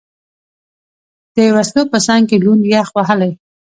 د وسلو په څنګ کې، لوند، یخ وهلی.